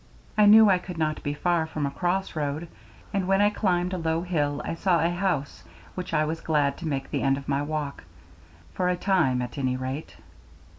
I knew I could not be far from a cross road, and when I climbed a low hill I saw a house which I was glad to make the end of my walk for a time, at any rate.